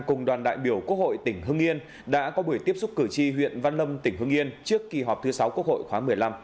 cùng đoàn đại biểu quốc hội tỉnh hưng yên đã có buổi tiếp xúc cử tri huyện văn lâm tỉnh hưng yên trước kỳ họp thứ sáu quốc hội khóa một mươi năm